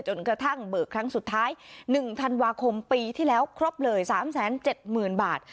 จนกระทั่งเบิกครั้งสุดท้าย๑ธันวาคมปีที่แล้วครบเลย๓๗๐๐๐บาท